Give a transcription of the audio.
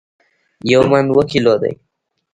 یو من اوو کیلو دي